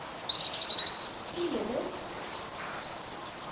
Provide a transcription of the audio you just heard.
তিনি gold star modelling talent এজেন্সির প্রতিনিধিত্ব করছেন।